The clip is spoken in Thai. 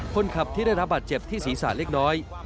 คนขับที่ได้รับบาดเจ็บที่ศีรษะเล็กน้อย